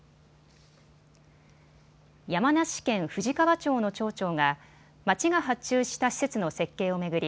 山梨県富士川町の町長が町が発注した施設の設計を巡り